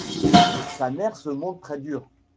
Sa mère se montre très dure.